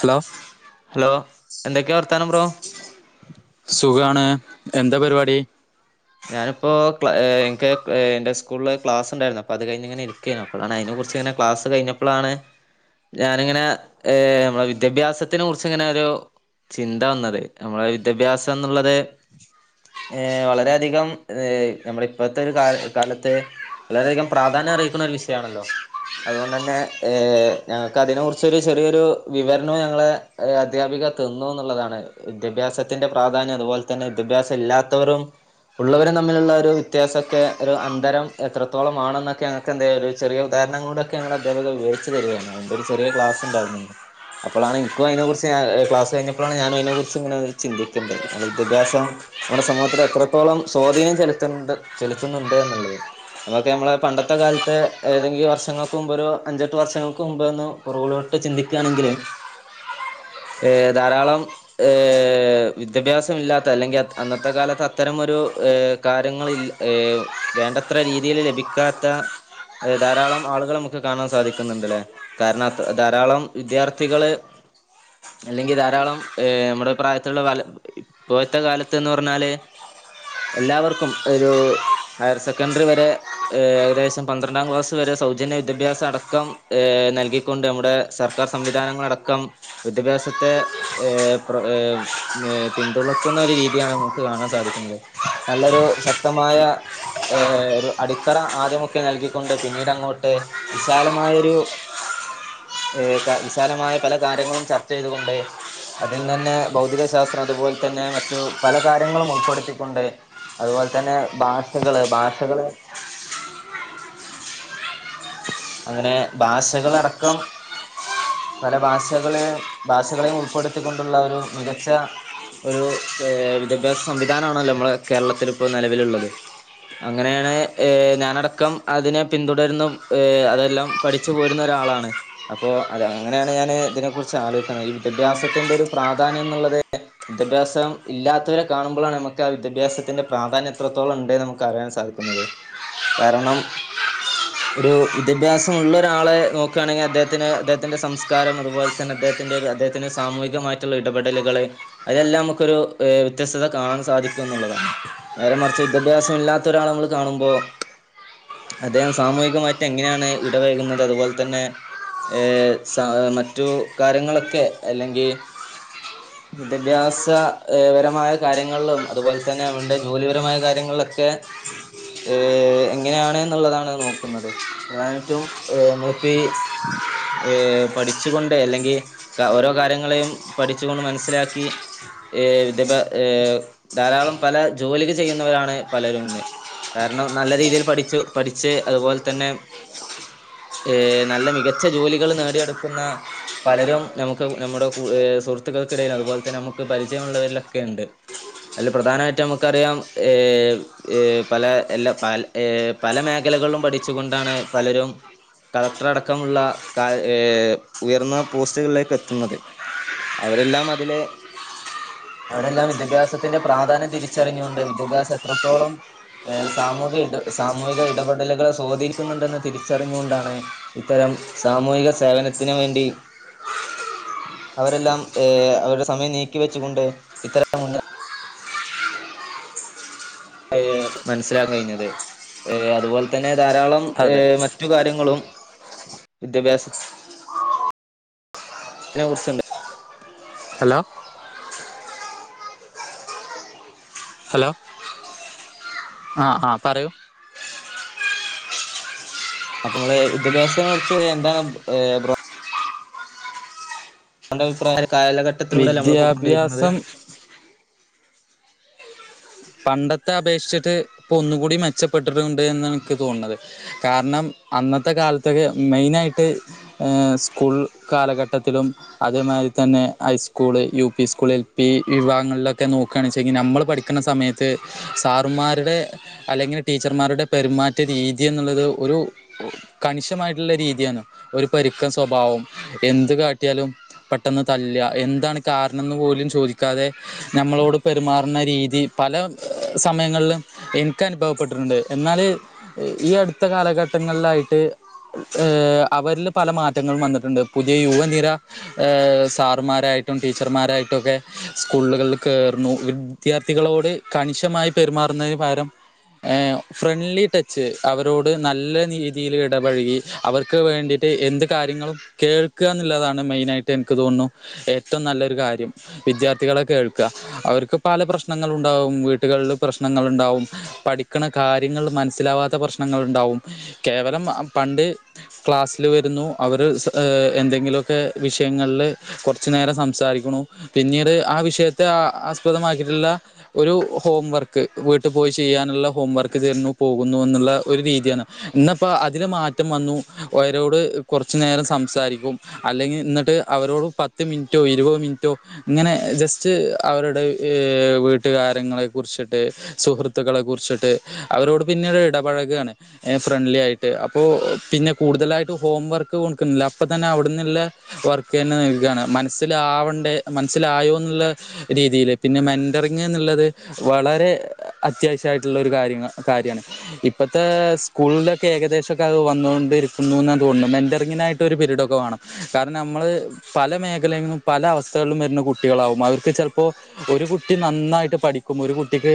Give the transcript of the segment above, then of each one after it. hello hello എന്തൊക്കെയാ വർത്താനം bro സുഖാണ് എന്താ പരിപാടി ഞാനിപ്പോ എനിക്ക് എന്റെ സ്കൂളില് ക്ലാസ് ഉണ്ടായിരുന്നു അപ്പൊ അത് കഴിഞ്ഞ ഇങ്ങനെ ഇരിക്കരുന്നു അപ്പോ അതിനെ കുറിച്ച് ഇങ്ങനെ ക്ലാസ് കഴിഞ്ഞപ്പോളാണ് ഞാനിങ്ങനെ നമ്മെ വിദ്യാഭ്യാസത്തിനെ കുറിച്ച ഇങ്ങനെ ഒരു ചിന്ത വന്നത് നമ്മളെ വിദ്യാഭ്യാസം എന്നുള്ളത് വളരെ ളധികം നമ്മള ഇപ്പോഴത്തെ ഒരു കാലത്ത് വളരെയധികം പ്രാധാന്യം അറിയിക്കുന്ന ഒരു വിഷയമാണല്ലോ അതുകൊണ്ട് തന്നെ ഏ ഞങ്ങൾക്ക് അതിനെ കുറിച്ചൊരു ചെറിയൊരു വിവരണവും ഞങ്ങളെ അധ്യാപിക തന്നു എന്നുള്ളതാണ് വിദ്യാഭ്യാസത്തിന്റെ പ്രാധാന്യം അതുപോലെ തന്നെ വിദ്യാഭ്യാസം ഇല്ലാത്തവരും ഉള്ളവരും തമ്മിലുള്ള ഒരു വ്യത്യാസമൊക്കെ ഒരു അന്തരം എത്രോള ആണെന്നൊക്കെ ഞങ്ങൾക്ക് എന്താ ഒരു ചെിയ ഉദാഹരണം കൊണ്ട് ഞങ്ങ അധ്യാപക വിവരിച്ച് തരികയാണ് അതിൻ്റെ ഒരു ചെറിയ ക്ലാസ് ഉണ്ടായിരുന്ന് അപ്പോഴാണ് ഇനിക്കും അതിനെ കുുറിച്ച് ക്ലാസ് കിഞ്ഞപ്പോഴാണ് ഞാന അതിനെ കുുറിച്ച് ഇങ്ങനെ ചിന്തിക്കേണ്ടേ നമ്മുടെ വിദ്യാഭ്യസ നമ്മുടെമൂഹത്തി എത്ര ഇത്തോളം സ്വാധീനം ചെലുത്തണ്ട് ചെലുത്തുന്നുണ്ട് എന്നുള്ളത് നമുക്ക് നമ്മള് പണ്ടത്തെ കാലത്ത് ഏതെങ്കിലും വർഷങ്ങൾക്ക് മുമ്പൊ ഒരു അഞ്ചെട്ട് വർഷങ്ങൾക്ക് മുമ്പ്ന്ന് പുറകോട്ട് ചിന്തിക്കുകയാണെങ്കിൽ ഏ ധാരാളം ഏഹ വിദ്യാഭ്യാസം ഇല്ലാത്ത അല്ലെങ്കിൽ അന്നത്തെ കാലത്ത് അത്തരമൊരു ഏ കാര്യങ്ങള വേണ്ടത്ര രീതിൽ ലഭിക്കാത്ത ധാരാളം ആളുകൾ നമുക്ക് കാണാൻ സാധിക്കുന്നുണ്ട്ല്ലേ കാരണം അ ധാരാളം വിദ്യാർത്ഥികള് അല്ലെങ്കിൽ ധാരാളം ഏ നമ്മുടെ പ്രായത്തിലുള്ള വല പോഴത്തെ കാലത്ത്ന്ന് പറഞ്ഞാല് എല്ലാവർക്കും ഒരു ഹയർ സെക്കൻഡറി വരെ ഏകദേശം പന്ത്രണ്ടാം ക്ലാസ് വരെ സൗജന്യ വിദ്യാഭ്യാസ അടക്കം ഏ് നൽകിക്കൊണ്ട് നമ്മടെ സർക്കാർ സംവിധാനങ്ങളടക്കം വിദ്യാഭ്യാസത്തെ ഏ പ്ര ഏഏ പിന്തുണക്കുന്ന ഒരു രീതിയാണ് നമുക്ക് കാണാൻ സാധിക്കുന്നത് നല്ലൊരു ശക്തമായ ഏ ഒരു അടിത്തറ ആദ്യമൊക്കെ നൽകിക്കൊണ്ട് പിന്നീട് അങ്ങോട്ട് വിശാലമായൊരു വിശാലമായ പല കാര്യങ്ങളും ചർച്ച ചെയ്തുകൊണ്ട് അതിൽ തന്നെ ഭൗതികശാസ്ത്രം അതുപോലെ തന്നെ മറ്റു പല കാര്യങ്ങളും പടുത്തിക്കൊണ്ട് അതുപോലെ തന്നെ ഭാഷകള് ഭാഷകള് അങ്ങനെ ഭാഷകളടക്കം പല ഭാഷകളെയ ഭാഷകളെയും ഉൾപ്പെടുത്തിക്കൊണ്ടുള്ള ഒരു മികച്ച ഒരു വിദ്യാഭ്യാസ സംവിധാനമാണല്ലോ നമ്മളുടെ കേരളത്തി ഇപ്പോ നിലവിലുള്ളത് അങ്ങനെയാണ് ഏ ഞാനടക്കം അതിനെ പിന്തുടരുന്ന ഏ അതെല്ലാം പഠിച്ചു പോരുന്ന ഒരാളാണ് അപ്പോ അത് അങ്ങനെയാണ് ഞാാന് ഇതിനെ കുുറിച്ച് ആലോചിക്കുന്നത് ഈ വിദ്യാഭ്യാസത്തിറെ ഒരു പ്രാധാന്യം എന്നുള്ളത് വിദ്യാഭ്യാസം ഇല്ലാത്തവരെ കാണുമ്പോഴാണ് നമുക്ക് ആ വിദ്യാഭ്യാസത്തിന്റെ പ്രാധാന്യം എത്രത്തോളം ഉണ്ട്ന്ന് നമുക്ക് അറിയാൻ സാധിക്കുന്നത് കാരണം ഒരു വിദ്യാഭ്യാസം ഉള്ള ഒരാളെ നോക്കുകയാണെങ്കിൽ അദ്ദേഹത്തിന് അദ്ദേഹത്തിന്റെ സംസ്കാരം അതുപോലെ തന്നെ അദ്ദേഹത്തിന്റെ അദ്ദേഹത്തിന്റെ സാമൂഹികമായിട്ടുള്ള ഇടപെടലുകൾ അതെല്ലാം നമുക്കൊരു വ്യത്യസ്ത കാണാൻ സാധിക്കും എന്നുള്ളതാണ് നേരെ മറിച്ച് വിദ്യാഭ്യാസം ഇല്ലാത്ത ഒരാൾ നമ്മൾ കാണുമ്പോ അദ്ദേഹം സമൂഹ മറ്റ എങ്ങനെയാണ് ഇടവഴകുന്നത് അതുപോലെ തന്നെ ഏ സ മറ്റു കാര്യങ്ങളൊക്കെ അല്ലെങ്കിൽ വിദ്യാഭ്യാസപരമായ കാര്യങ്ങളിലും അതുപോലെ തന്നെ അവടെ ജോലിപരമായ കാര്യങ്ങളിലൊക്കെ ഏ എങ്ങനെയാണ് എന്നുള്ളതാണ് നോ പഠിക്കുന്നത്പ്രധാനട്ടും നമ്മളിപ്പ പഠിച്ചുക കൊണ്ട് അല്ലെങ്കിൽ ഓരോ കാര്യങ്ങളെയും പഠിച്ചുകൊണ്ട് മനസ്സിലാക്കി ദ്യ്യ ധാരാളം പല ജോലിക്ക് ചെയ്യുന്നവരാണ് പലരുംന്ന് കാരണം നല്ല രീതിയിൽ പഠിച്ചു പഠിച്ച് അതുപോലെ തന്നെ ഏ നല്ല മികച്ച ജോലികൾ നേടിയെടുക്കുന്ന പലരും നമുക്ക് നമ്മുടെ സുഹൃത്തുക്കൾക്കിടയിലും അതുപോലെ തന്നെ നമുക്ക് പരിചയമ ഉുള്ളവരിലൊക്കെ ഉണ്ട് അതിൽ പ്രധാനമായിട്ടും നമുക്കറിയാം പല എല്ല പ പലമേഖ മേഖലകളും പഠിച്ചുക കൊണ്ടാണ് പലരും കളക്ടർ അടക്കമുള്ള ഉയർന്ന പോസ്റ്റുകളിലേക്ക് എത്തുന്നത് അവരെല്ലാം അതിലെ അവരെല്ലാം വിദ്യാഭ്യാസത്തിന്റെ പ്രാധാന്യം തിരിച്ചറിഞ്ഞുകൊണ്ട് വിദ്യാഭ്യാസം എത്രത്തോളം സാമൂഹിക ഇടസാമൂഹിക ഇടപെടലുകളെ സ്വാധീനിക്കുന്നുണ്ടെന്ന് തിരിച്ചറിഞ്ഞുകൊണ്ടാണ് ഇത്തരം സാമൂഹിക സേവനത്തിനന് വേണ്ടി അവരെല്ലാം ഏർ അവരുടെ സമയം നീക്കിവെച്ചുകൊണ്ട് ഇത്തരം ഏ മനസ്സിലാക്കൻ കഴിഞ്ഞത് ഏ അതുപോലെ തന്നെ ധാരാളം അതെ മറ്റു കാര്യങ്ങളും വിദ്യാഭ്യാസ അതിനെ കുറിച്ചുണ്ട് ഹലോ ഹലോ ആഹ ആ പറയൂ അപ്പൊ നമ്മള് വിദ്യാഭ്യാസത്തിനെ കുറിച്ച് എന്താണ് ബ്രേ അന്റഅഭിപ്രായം കാലഘട്ടത്തിലൂടെയല്ലേ നമ്മളിപ്പോകൊണ്ടിരിക്കുന്നത് വിദ്യാഭ്യാസം പണ്ടത്തെ അപേക്ഷിച്ചിട്ട് ഇപ്പോൾ ഒന്നുകൂടി മെച്ചപ്പെട്ടിട്ടുണ്ട് എന്ന് എനിക്ക് തോന്നുന്നത് കാരണം അന്നത്തെ കാലത്തൊക്കെ മെയിനായിട്ട് സ്കൂൾ കാലഘട്ടത്തിലും അതേമാതിരി തന്നെ high school U P school L P വിഭാഗങ്ങളിലൊക്കെ നോക്കുച്ചെങ്കിൽ നമ്മൾ പഠിക്കണ സമയത്ത് ത്ത്സാറുമാരുടെ അല്ലെങ്കിൽ ടീച്ചർമാരുടെ പെരുമാറ്റ രീതി എന്നുള്ളത് ഒരു കണിഷമായിട്ടുള്ള രീതിയാണ് ഒരു പരുക്കൻ സ്വഭാവം എന്ത് കാട്ടിയാലും പെട്ടെന്ന് തല്ല എന്താണ് കാരണം പോലും ചോദിക്കാതെ നമ്മളോട് പെരുമാറുന്ന രീതി പല സമയങ്ങളിലും എനിക്ക് അനുഭവപ്പെട്ടിട്ടുണ്ട് എന്നാൽ ഈ അടുത്ത കാലഘട്ടങ്ങളിലായിട്ട് അവരിൽ പല മാറ്റങ്ങളും വന്നിട്ടുണ്ട് പുതിയ യുവനിര സാറുമാരായിട്ടും ടീച്ചർമാരായിട്ടും ഒക്കെ സ്കൂളുകളിൽ കയറന്നു വിദ്യാർത്ഥികളോട് ഇത്കണിഷമായി പെരുമാറുന്നന് പരം ഫ്രണ്ട്ലി ടച്ച് അവരോട് നല്ല രീതിയിൽ ഇടപഴകി അവർക്ക് വേണ്ടിട്ട് എന്ത് കാര്യങ്ങളും കേൾക്കുക എന്നുള്ളതാണ് മെയിന ആയിട്ട് എനിക്ക് തോന്നുന്നു ഏറ്റവും നല്ലൊരു കാര്യം വിദ്യാർത്ഥികളെ കേൾക്കുക അവർക്ക് പല പ്രശ്നങ്ങ പ്രശ്നഉണ്ടാവും വീട്ടുകളിൽ പ്രശ്നങ്ങൾ ഉണ്ടാവും പഠിക്കണ കാര്യങ്ങൾ മനസ്സിലാവാത്ത പ്രശ്നങ്ങൾ ഉണ്ടാവും കേവലം പണ്ട് ക്ലാസ്സില് വരുന്നു അവര് എന്തെങ്കിലുമൊക്കെ വിഷയങ്ങളില് കുറച്ചു നേരം സംസാരിക്കണു പിന്നീട് ആ വിഷയത്തെ ആസ്പദമാക്കിയിട്ടുള്ള ഒരു ഹോംവർക്ക് വീട്ടു പോയി ചെയ്യാനുള്ള ഹോംവർക്ക് തരുന്നു പോകുന്നു എന്നുള്ള ഒരു രീതിയാണ് ഇന്നപ്പോ അതിന് മാറ്റം വന്നു അവരോട് കുറച്ചു നേരം സംസാരിക്കും അല്ലെങ്കിൽ എന്നിട്ട് അവരോട് പത്ത് മിനിറ്റോ ഇരുപത് മിനിറ്റോ ഇങ്ങനെ ജസ്റ്റ് അവരുടെ വീട്ടി വിട്ടുകാരങ്ങളെ കുറിച്ചിട്ട് സുഹൃത്തുക്കളെ കുറിച്ചിട്ട് അവരോട് പിന്നെട് ഇടപഴകുകാണ് ഫ്രണ്ട്ലി ആയിട്ട് അപ്പോപിന്നെ കൂടുതലായിട്ട് ഹോം വർക്ക് കൊടുക്കുന്നില്ല അപ്പൊ തന്നെ അവിടെന്നുള്ള വർക്ക് തന്നെ നൽക്കുകയാണ് മനസ്സിലാവണ്ട മനസ്സിലായോ എന്നുള്ള രീതിയിൽ പിന്നെന്റ എന്നുള്ളത് വളരെ അത്യാവശ്യമായിട്ടുള്ള ഒരു കാര്യ കാര്യമാണ് ഇപ്പോഴത്തെ സ്കൂളിലൊക്കെ ഏകദേശം ഒക്കെ അത് വന്നൊണ്ടിരിക്കുന്നു എന്ന തോന്നുന്നു മെന്ററിങ്ങിനായിട്ട് ഒരു പീരീഡൊക്കെ വേണം കാരണം നമ്മൾ പല മേഖലിലും പല അവസ്ഥകളിലും വരുന്ന കുട്ടികളാാവും അവർക്ക് ചിലപ്പോൾ ഒരു കുട്ട കുട്ടി നന്നായിട്ട് പഠിക്കും ഒരു കുട്ടിക്ക്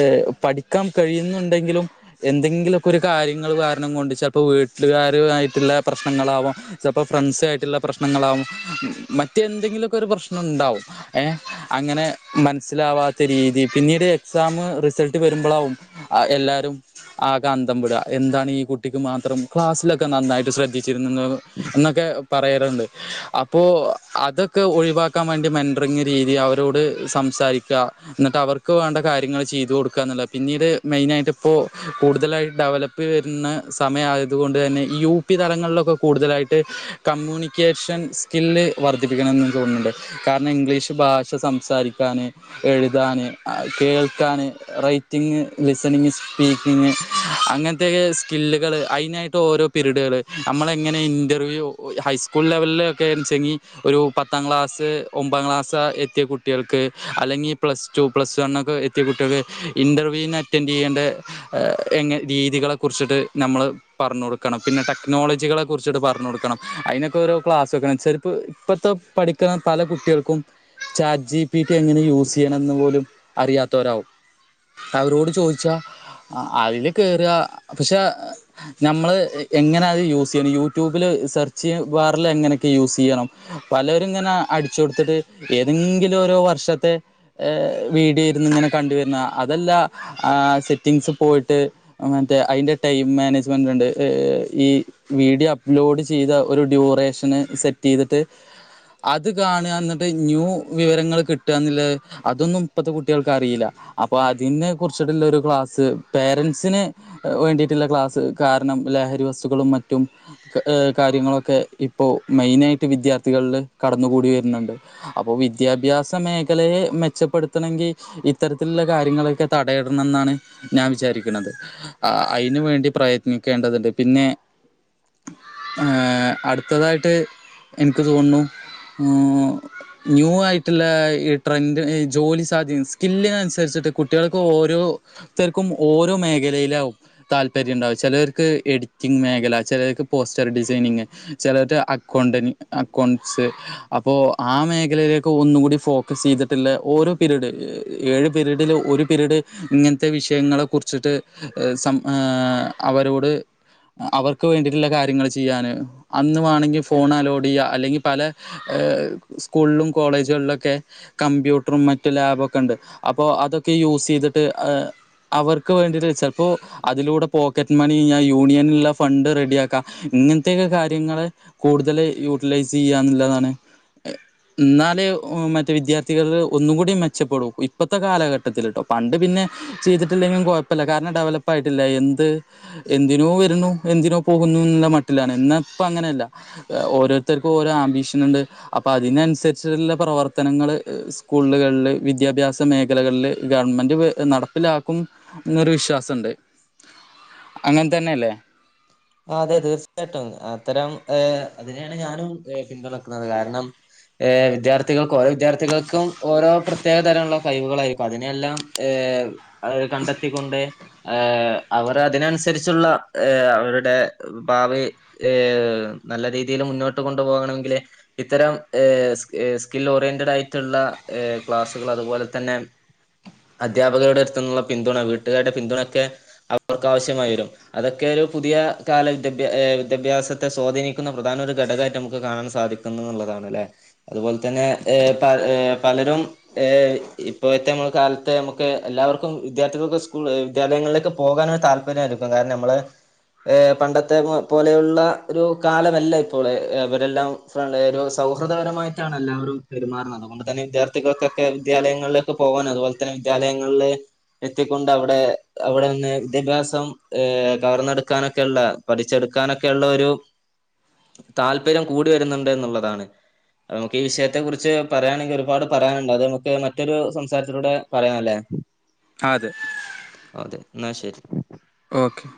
ഏ പഠിക്കാൻ കഴിയുന്നുണ്ടെങ്കിലും എന്തെങ്കിലൊക്കെ ഒരു കാര്യങ്ങൾ കാരണം കൊണ്ട് ചിലപ്പോ വീട്ടുകാരു ആയിട്ടുള്ള പ്രശ്നങ്ങളാവും ചിലപ്പോ ഫ്രണ്ട്സ ആയിട്ടുള്ള പ്രശ്നങ്ങളാവും മറ്റ എന്തെങ്കിലുമൊക്കെ ഒരു പ്രശ്നം ഉണ്ടാവും ഏ അങ്ങനെ മനസ്സിലാവാത്ത രീതി പിന്നീട് എക്സാം റിസൾട്ട് വരുമ്പോഴാവും എല്ലാവരും ആകാന്ധം വിടുക എന്താണ് ഈ കുട്ടിക്ക് മാത്രം ക്ലാസ്സിലൊക്കെ നന്നായിട്ട് ശ്രദ്ധിച്ചിരുന്ന എന്നൊക്കെ പറയാറുണ്ട് അപ്പോൾ അതൊക്കെ ഒഴിവാക്കാൻ വേണ്ടി മന്ററിങ്ങ്രീതി അവരോട് സംസാരിക്കുക എന്നിട്ട് അവർക്ക് വേണ്ട കാര്യങ്ങൾ ചെയ്ത് കൊടുക്കുക എന്നല്ല പിന്നീട് മെയിനായിട്ട് ഇപ്പോൾ കൂടുതലായിട്ട് ഡെവലപ്പ് വരുന്ന സമയയതുക കൊണ്ട് തന്നെ യു പി തലങ്ങളിലൊക്കെ കൂടുതലായിട്ട് കമ്മ്യൂണിക്കേഷൻ സ്കില്ല് വർദ്ധിപ്പിക്കണം എന്ന് തോന്നുന്നുണ്ട് കാരണം ഇംഗ്ലീഷ് ഭാഷ സംസാരിക്കുക കേക്കാന് എഴുതാന് കേൾക്കാന് റൈറ്റിങ്ങ് ലിസണിങ് സ്പീക്കിങ് അങ്ങനത്തെക്ക സ്കില്ലുകള് അതിനായിട്ട് ഓരോ പിരീഡുകൾ നമ്മള എങ്ങനെ ഇൻറർവ്യൂ ഹൈസ്കൂൾ ലെവലിലൊക്കെച്ചെങ്കിൽ ഒരു പത്താം ക്ലാസ്സ് ഒമ്പാം ക്ലാസ് എത്തിയ കുട്ടികൾക്ക് അല്ലെങ്കിൽ പ്ലസ് ടു പ്ലസ് വണ് ഒക്കെ എത്തിയ കുട്ടികൾക്ക് ഇന്റർവ്യൂവിന് അറ്റൻഡ് ചെയ്യേണ്ട എ രീതികളെ കുറിച്ചിട്ട് നമ്മള് പറഞ്ഞു കൊടുക്കണം പിന്നെ ടെക്നോളജികളെ കുറിച്ചിട്ട് പറഞ്ഞു കൊടുക്കണം അതിനൊക്കെ ഓരോ ക്ലാസ് വെക്കണം ചിലപ്പോ ഇപ്പഴത്തെ പഠിക്കുന്ന പല കുട്ടികൾക്കും ചാജി യുസിയണം എന്ന് പോലും അറിയാത്തവർ ആകും അവരൊട് ചോദിച്ചാൽ അവര് ക നമ്മൾ എങ്ങനെയുസിയിണ് യു ട്യുബിൽ സൈർച്ച് വാറിൽ എങ്ങനെയു സ് ചെയ്യണം പലരും ഇങ്ങനെ അടിച്ച് കൊടുത്തിട്ട് ഇങ്ങനെ ഓരോ വർഷത്തെ വീഡിയോ ഇരുന്നു ഇങ്ങനെ കണ്ടുവരുന്ന അതെല്ല സെറ്റിംഗസ് പോയിട്ട് മറ്റേ അതിന്റെ ടൈം മാനേജ്മെന്റ്ണ്ട് ഈ വീഡിയോ അപ്ലോഡ് ചെയ്ത ഒരു ഡ്യൂറേഷന് സെറ്റ് ചെയ്തിട്ട് അത് കാണുക എന്നിട്ട് ന്യൂ വിവരങ്ങൾ കിട്ടുക എന്നുള്ള അതൊന്നും ഇപ്പത്തെ കുട്ടികൾക്ക് അറിയില്ല അപ്പൊ അതിനെ കുറിച്ചിട്ടുള്ള ഒരു ക്ലാസ്സ് പേരൻറ്സിന് വേണ്ടിയിട്ടുള്ള ക്ലാസ്സ് കാരണം ലഹരി വസ്തുക്കളും മറ്റുംകാര്യങ്ങളൊക്കെ ഇപ്പോ മെയിന ആയിട്ട് വിദ്യാർത്ഥികളിൽ കടന്നുകൂടി വരുന്നുണ്ട് അപ്പോ വിദ്യാഭ്യാസ മേഖലയെ മെച്ചപ്പെടുത്തണമെങ്കിൽ ഇത്തരത്തിലുള്ള കാര്യങ്ങളൊക്കെ തടയടണം എന്നാണ് ഞാൻ വിചാരിക്കുന്നത് അതിനന് വേണ്ടി പ്രയത്നിക്കേണ്ടതുണ്ട് പിന്നെ ഏ അടുത്തതായിട്ട് എനിക്ക് തോന്നുന്നു ന്യൂ ആ ഇട്ടുള്ള ഈ ട്രെൻഡ്ഈ ജോലി സാധ്യ സ്കില്ലിനനുസരിച്ചിട്ട് കുട്ടികൾക്ക് ഓരോരുത്തർക്കും ഓരോ മേഖലയിലാവും താല്പര്യം ഉണ്ടാവും ചിലവർക്ക് എഡിറ്റിംഗ മേഖല ചിലവർക്ക് പോസ്റ്റർ ഡിസൈനിങ് ചിലർക്ക് അക്കൗണ്ടന് അക്കൗണ്ട്സ് അപ്പോൾ ആ മേഖലയില ഒക്കെ ഒന്നുകൂടി ഫോക്കസ് ചെയ്തിട്ടില്ല ഓരോ പിരീഡ് ഏഴ് പീരീഡിൽ ഒരു പിരീഡ് ഇങ്ങനത്തെ വിഷയങ്ങളെ കുറിച്ചിട്ട് സം അവരോട് അവർക്ക് വേണ്ടിയിട്ടുള്ള കാര്യങ്ങൾ ചെയ്യൻ അന്ന വേണെങ്കിൽ ഫോൺ അലോഡ് ചെയ്യുക അല്ലെങ്കിൽ പല സ്കൂളിലും കോളേജുകളിലൊക്കെ കമ്പ്യൂട്ടറും മറ്റ് ലാബൊക്കെ ഉണ്ട് അപ്പോൾ അതൊക്കെ യൂസ് ചെയ്തിട്ട് അവർക്ക് വേണ്ടിയിട്ട് ചിലപ്പോൾ അതിലൂടെ പോക്കറ്റ് മണി യൂണിയനുള്ള ഫണ്ട് റെഡിയ ആാക്കാം ഇങ്ങനത്തെക്കെ കാര്യങ്ങളൾ കൂടുതൽ യൂട്ടിലൈസ് ചെയ്യാന്നുള്ളതാണ് എന്നാലേ മറ്റേ വിദ്യാർത്ഥികൾ ഒന്നും കൂടി മെച്ചപ്പെടൂ ഇപ്പഴത്തെ കാലഘട്ടത്തിലിട്ടോ പണ്ട് പിന്നെ ചെയ്തിട്ടില്ലെങ്കും കുഴപ്പമില്ല കാരണം ഡെവലപ്പ ആയിട്ടില്ല എന്ത് എന്തിനോ വരുന്നു എന്തിനോ പോകുന്നു എന്നുള്ള മട്ടിലാണ് എന്ന ഇപ്പ അങ്ങനെയല്ല ഓരോരുത്തർക്കും ഓരോ ആംബീഷൻ ഉണ്ട് അപ്പൊ അതിനനുസരി അനുസരിച്ച് ഉള്ളപ്രവർത്തനങ്ങൾ സ്കൂളുകളില് വിദ്യാഭ്യാസ മേഖലകളില് ഗവൺമെന്റ് നടപ്പിലാക്കും എന്നൊരു വിശ്വാസമുണ്ട് അങ്ങനെ തന്നെല്ലേ അതെ തീർച്ചയായിട്ടും അത്തരം അതിനെയാണ് ഞാനും പിന്തുണക്കുന്നത് കാരണം ഏ വിദ്യാർത്ഥികൾക്ക ഓരോ വിദ്യാർത്ഥികൾക്കും ഓരോ പ്രത്യേക തരം ഉള്ള കഴിവുകളൾായിരിക്കും അതിനെല്ലാം ഏത് കണ്ടെത്തിക്കൊണ്ട് അവർ അതിനനുസരിച്ചുള്ള അവരുടെ ടെഭാവി ഹ നല്ല രീതിയിൽ മുന്നോട്ട് കൊണ്ടുപോകണമെങ്കില് ഇത്തരം ഹ് സ്കിൽ ഓറിയന്റഡ് ആയിട്ടുള്ള ക്ലാസ്സുകൾ അതുപോലെ തന്നെ അദ്ധ്യാപകരുടെ അടുത്തുന്നുള്ള പിന്തുണ വീട്ടുകാരുടെ പിന്തുണൊക്കെ അവർക്ക് ആവശ്യമായി വരും അതൊക്കെ ഒരു പുതിയ കാല വിദ്യാഭ്യാ വിദ്യാഭ്യാസത്തെ സ്വാധീനിക്കുന്ന പ്രധാന ഒരു ഘടകമായിട്ട് നമുക്ക് കാണാൻ സാധിക്കുന്നു എന്നുള്ളതാണല്ലേ അതുപോലെ തന്നെ പ പലരും ഏ ഇപ്പോഴത്തെ കാലത്തെ നമുക്ക് എല്ലാവർക്കും വിദ്യാർത്ഥികൾക്ക് സ്കൂൾ വിദ്യാലയങ്ങളിലേക്ക് പോകൻ ഒരു താല്പര്യമായിരിക്കും കാരണം നമ്മള് പണ്ടത്തെ പോലെയുള്ള ഒരു കാലമല്ല ഇപ്പോൾ അവരെല്ലാം ഒരു സൗഹൃദപരമായിട്ടാണ് എല്ലാവരും പെരുമാറുന്നത് അതുകൊണ്ട് തന്നെ വിദ്യാർത്ഥികൾക്കൊക്കെ വിദ്യാലയങ്ങളിലേക്ക് പോകാനും അതുപോലെ തന്നെ വിദ്യാലയങ്ങളിൽ എത്തിക്കൊണ്ട് അവിടെ അവിടെ നിന്ന് വിദ്യാഭ്യാസം കവർന്ന് എടുക്കാ എടുക്കാനൊക്കെയള്ള പഠിച്ചെടുക്കാനൊക്കെയള്ള ഒരു താല്പര്യം കൂടി വരുന്നുണ്ട് എന്നുള്ളതാണ് അ നമുക്ക് ഈ വിഷയത്തെ കുറിച്ച് പറയയാണെങ്കിൽ ഒരുപാട് പറയാനുണ്ട് അത് നമുക്ക് മറ്റൊരു സംസാരത്തിലൂടെ പറയാാനല്ലേ അതെ അതെ എന്നാ ശരി ഓക്കെ